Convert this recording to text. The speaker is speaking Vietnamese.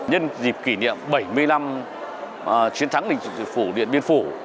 nhân dịp kỷ niệm bảy mươi năm chiến thắng lịch sử phủ điện biên phủ